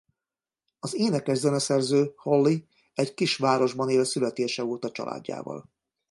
Az énekes-zeneszerző Holly egy kis városban él születése óta családjával.